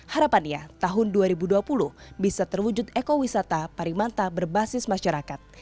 harapannya tahun dua ribu dua puluh bisa terwujud ekowisata parimanta berbasis masyarakat